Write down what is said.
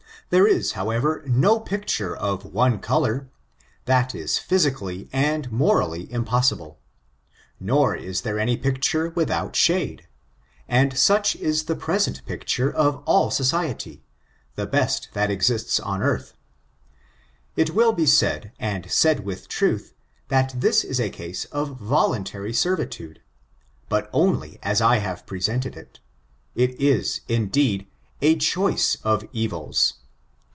There is, however, no picture of one color: that la physically and moraUy impossible. Nor is there any picture without shade. And such is the present picture of all society — ^the best that exists on earth. It will be said, and said with truth, that this is a case of voluntary servitude. But only as I have presented it. It is, indeed, a choice of evils.